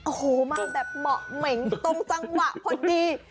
โอ้โหมาแบบเหมาะเหม็งตรงจังหวะพอดี